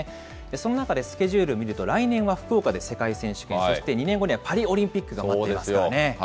その中でスケジュールを見ると、来年は福岡で世界選手権、そして２年後にはパリオリンピックが控えてますからね。